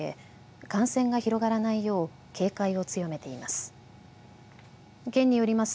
感染が広がらないよう警戒を強めています。